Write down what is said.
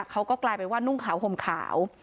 เขาก็กลายเป็นว่านุ่งขาวห่มขาว